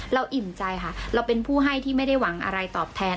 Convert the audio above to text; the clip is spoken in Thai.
อิ่มใจค่ะเราเป็นผู้ให้ที่ไม่ได้หวังอะไรตอบแทน